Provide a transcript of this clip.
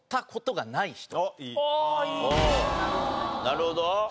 なるほど。